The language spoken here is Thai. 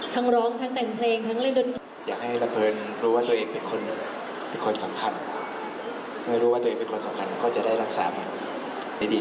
ทั้งร้องทั้งแต่งเพลงทั้งเล่นดนตรี